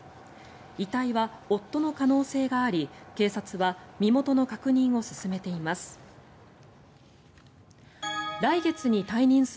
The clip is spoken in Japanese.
遺体は夫の可能性があり、警察は身元の確認を進めています。